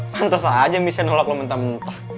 pantes aja michelle nolak lo muntah muntah